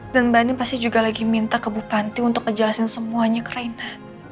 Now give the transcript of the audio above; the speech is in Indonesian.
dan mbak nen pasti juga lagi minta ke bupanti untuk ngejelasin semuanya ke reina